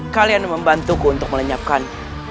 kalian membantuku untuk melenyapkan